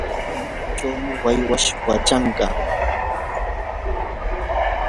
machaychawmi waywash wachaykan.